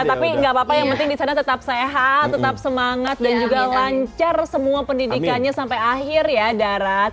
tapi nggak apa apa yang penting disana tetap sehat tetap semangat dan juga lancar semua pendidikannya sampai akhir ya darat